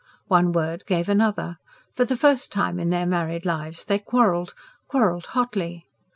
One word gave another; for the first time in their married lives they quarrelled quarrelled hotly.